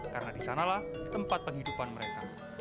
karena disanalah tempat penghidupan mereka